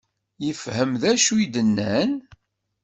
Yefhem d acu i d-nnan?